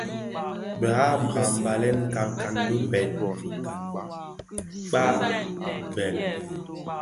Bë habra mbalèn nkankan bi bibèl (Mkpa - Bhèl),